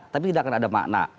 tapi tidak akan ada makna